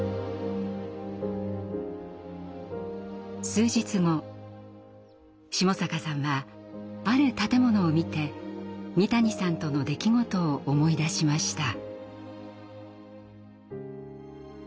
数日後下坂さんはある建物を見て三谷さんとの出来事を思い出しました。